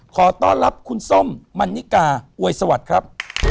ขอต้อนรับคุณส้มมันนิกาอวยสวัสดีครับ